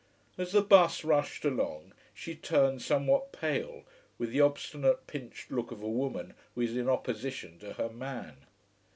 As the bus rushed along she turned somewhat pale, with the obstinate pinched look of a woman who is in opposition to her man.